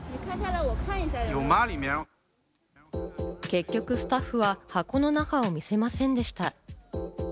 結局スタッフは箱の中を見せませんでした。